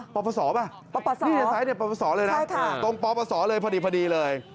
ค่ะปศป่ะนี่ท้ายปศเลยนะตรงปศเลยพอดีเลย